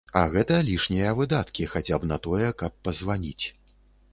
А гэта лішнія выдаткі хаця б на тое, каб пазваніць.